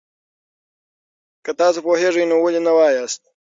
که تاسو پوهېږئ، نو ولې نه وایاست؟